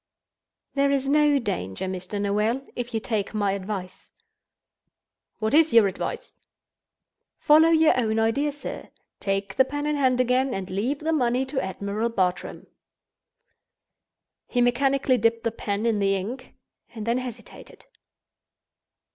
"There is no danger, Mr. Noel, if you take my advice." "What is your advice?" "Follow your own idea, sir. Take the pen in hand again, and leave the money to Admiral Bartram." He mechanically dipped the pen in the ink, and then hesitated.